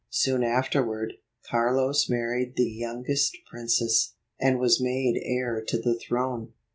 Soon afterward, Carlos married the youngest princess, and was made heir to the throne.